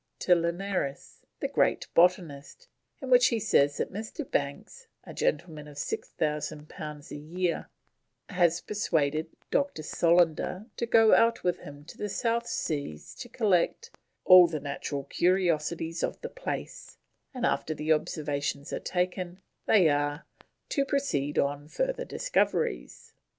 to Linnaeus, the great botanist, in which he says that Mr. Banks, a gentleman of 6000 pounds a year, has persuaded Dr. Solander to go out with him to the South Seas to collect "all the natural curiosities of the place," and after the observations are taken, they are "to proceed on further discoveries."